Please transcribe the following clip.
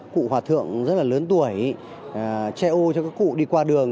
cụ hòa thượng rất là lớn tuổi che ô cho các cụ đi qua đường